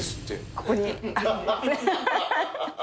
ここにあるんです。